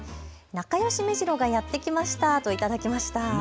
仲よしメジロがやって来ましたといただきました。